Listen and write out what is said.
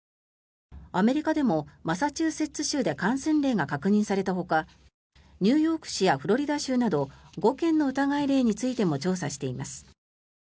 アメリカでもマサチューセッツ州で感染例が確認されたほかニューヨーク市やフロリダ州など５件の疑い例についても調査しています。